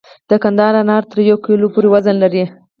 د کندهار انار تر یو کیلو پورې وزن لري.